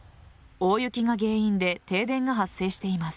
大雪が原因で停電が発生しています。